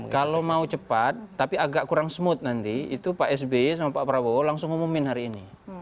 kalau mau cepat tapi agak kurang smooth nanti itu pak sby sama pak prabowo langsung ngomongin hari ini